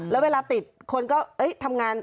แล้วเวลาติดคนก็ทำงาน